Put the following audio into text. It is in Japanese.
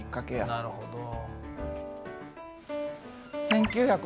なるほど。